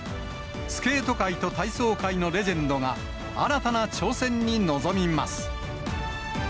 スケート界と体操界のレジェンドが、新たな挑戦に臨みます。